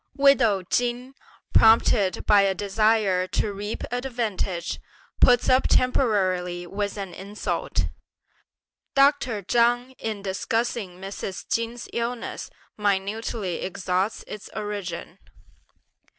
Widow Chin, prompted by a desire to reap advantage, puts up temporarily with an insult. Dr. Chang in discussing Mrs. Chin's illness minutely exhausts its origin.